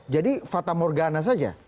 jadi fata morgana saja